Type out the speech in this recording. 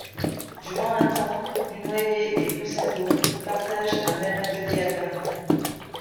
Durant un temps, Dunoyer et Boussingault partagent un même atelier à Paris.